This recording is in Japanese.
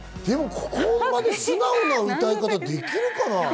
ここまで素直な歌い方できるかな？